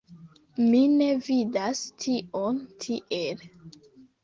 Mi ne vidas tion tiel.